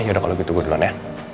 ya udah kalo gitu gue duluan ya